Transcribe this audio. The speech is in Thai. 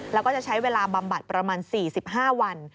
แล้วก็จะใช้เวลาบำบัดประมาณ๔๕วัน